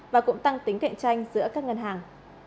và cũng tăng tính cạnh tranh giữa các ngân hàng